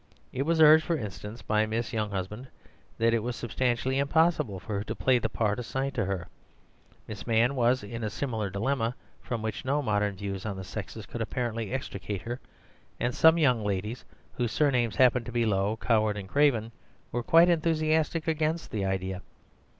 It was urged, for instance, by Miss Younghusband that it was substantially impossible for her to play the part assigned to her; Miss Mann was in a similar dilemma, from which no modern views on the sexes could apparently extricate her; and some young ladies, whose surnames happened to be Low, Coward, and Craven, were quite enthusiastic against the idea.